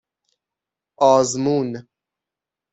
آزمون